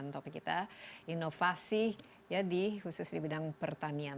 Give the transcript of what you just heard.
topik kita inovasi khusus di bidang pertanian